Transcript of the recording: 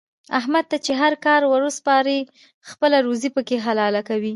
احمد ته چې هر کار ور وسپارې خپله روزي پکې حلاله کوي.